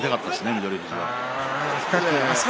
翠富士は。